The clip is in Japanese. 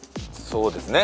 そうですね。